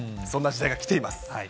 そんな時代がきています。